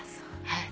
はい。